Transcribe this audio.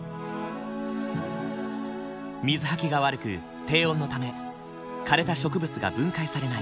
水はけが悪く低温のため枯れた植物が分解されない。